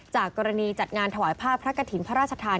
จากกรณีจัดงานถวายภาพพระกฐินพระราชทาน